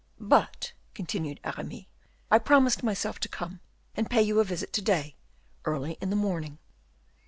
"But," continued Aramis, "I promised myself to come and pay you a visit to day, early in the morning."